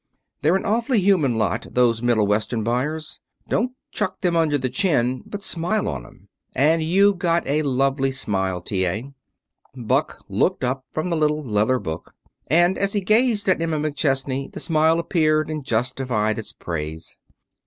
They're an awfully human lot, those Middle Western buyers. Don't chuck them under the chin, but smile on 'em. And you've got a lovely smile, T. A." Buck looked up from the little leather book. And, as he gazed at Emma McChesney, the smile appeared and justified its praise.